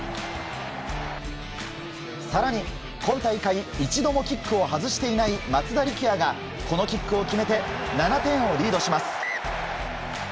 更に今大会一度もキックを外していない松田力也がこのキックを決めて７点をリードします。